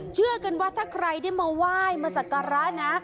เชื่อกันว่าถ้าใครได้มาไหว้มาสักการะนะ